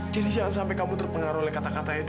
jadi jangan sampai kamu terpengaruh oleh kata kata edo ya mila